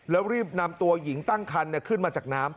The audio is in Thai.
แล้วรีบนำตัวหญิงตั้งคันขึ้นมาจากน้ำ